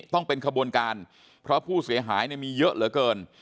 ต้องเป็นขบวนการเพราะผู้เสียหายมีเยอะเหลือเกิน